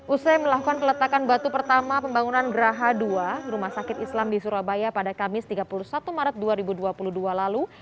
usai melakukan peletakan batu pertama pembangunan geraha dua rumah sakit islam di surabaya pada kamis tiga puluh satu maret dua ribu dua puluh dua lalu